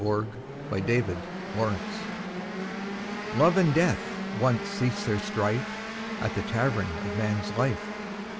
THE EXPLANATION Love and Death once ceased their strife At the Tavern of Man's Life.